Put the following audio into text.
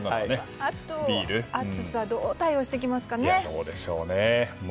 あと、暑さどう対応していきますかね。